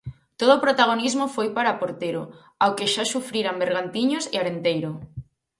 Todo o protagonismo foi para Portero, ao que xa sufriran Bergantiños e Arenteiro.